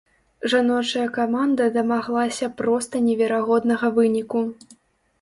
Жаночая каманда дамаглася проста неверагоднага выніку.